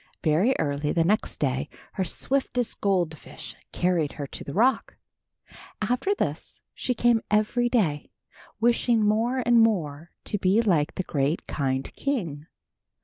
Very early the next day her swiftest goldfish carried her to the rock. After this, she came every day, wishing more and more to be like the great kind king.